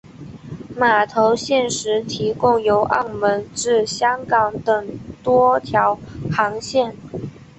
码头现时提供由澳门至香港等多条航线。